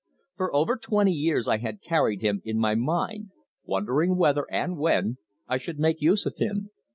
For over twenty years I had carried him in my mind, wondering whether, and when, I should make use of him.